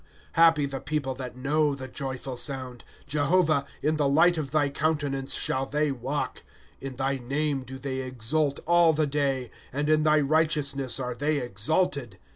" Happy the people that liiiow the joyfal sound ; Jehovah, in the Hght of thy countenance shall they walk. ^^ 111 thy name do they exult all the day, And in thy righteousness are they exalted.